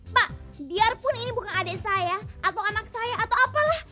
pak biarpun ini bukan adik saya atau anak saya atau apalah